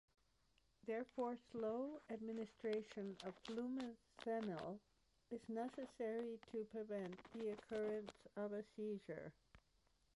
Therefore, slow administration of Flumazenil is necessary to prevent the occurrence of a seizure.